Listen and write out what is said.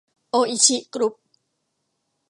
โออิชิ กรุ๊ป